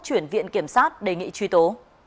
chuyển viện kiểm sát đề nghị truy tố